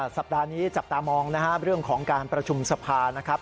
สัปดาห์นี้จับตามองนะครับเรื่องของการประชุมสภานะครับ